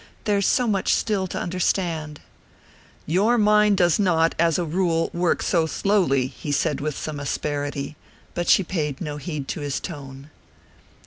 "There's so much still to understand." "Your mind does not, as a rule, work so slowly!" he said with some asperity; but she paid no heed to his tone.